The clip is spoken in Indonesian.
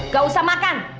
gak usah makan